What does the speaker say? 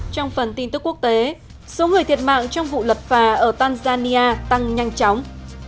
trong phần tin tức quốc tế số người thiệt mạng trong vụ lật phà ở tanzania tăng nhanh chóng